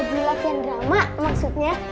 jelat yang drama maksudnya